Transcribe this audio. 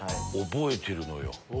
覚えてるのよ。